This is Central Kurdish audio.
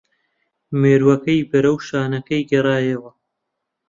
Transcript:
مێرووەکەی بەرەو شانەکەی گەڕایەوە